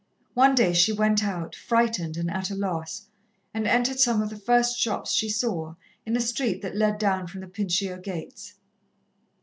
One day she went out, frightened and at a loss, and entered some of the first shops she saw, in a street that led down from the Pincio Gates.